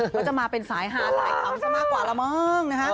ก็จะมาเป็นสายหาหลายครั้งซะมากกว่าแล้วเมิง